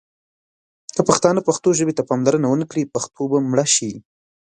که پښتانه پښتو ژبې ته پاملرنه ونه کړي ، پښتو به مړه شي.